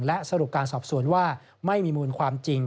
และสรุปการสอบสวนว่าไม่มีมูลความจริง